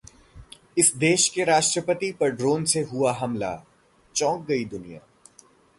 इस देश के राष्ट्रपति पर ड्रोन से हुआ हमला, चौंक गई दुनिया